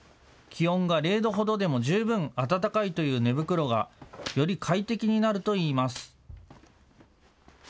気温が０度ほどでも十分、暖かいという寝袋がより快適になるといいます。